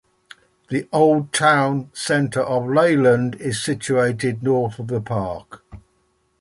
The old town centre of Leyland is situated north of the park.